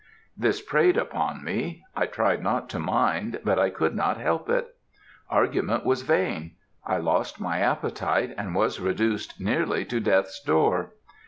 This preyed upon me; I tried not to mind, but I could not help it. Argument was vain. I lost my appetite, and was reduced nearly to death's door.